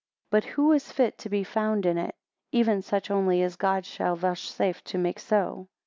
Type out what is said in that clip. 9 But who is fit to be found in it? Even such only as God shall vouchsafe to make so.